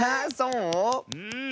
うん。